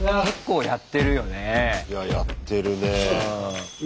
いややってるね。